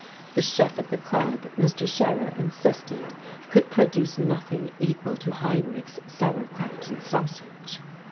The chef at the club, Mr. Scherer insisted, could produce nothing equal to Heinrich's sauer kraut and sausage.